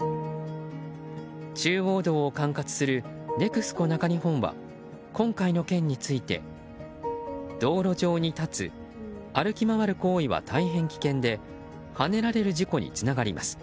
中央道を管轄するＮＥＸＣＯ中日本は今回の件について道路上に立つ、歩き回る行為は大変危険ではねられる事故につながります。